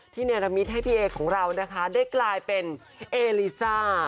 เนรมิตให้พี่เอของเรานะคะได้กลายเป็นเอลิซ่า